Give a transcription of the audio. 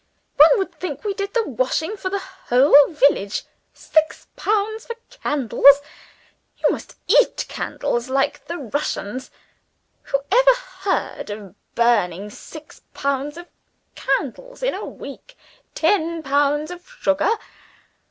One would think we did the washing for the whole village. Six pounds of candles? You must eat candles, like the Russians: who ever heard of burning six pounds of candles in a week? Ten pounds of sugar?